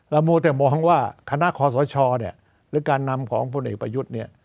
มัวแต่มองว่าคณะคอสชหรือการนำของพลเอกประยุทธ์เนี่ย